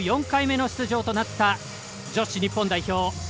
４回目の出場となった女子日本代表。